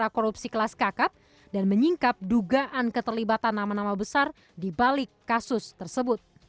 karena korupsi kelas kakap dan menyingkap dugaan keterlibatan nama nama besar di balik kasus tersebut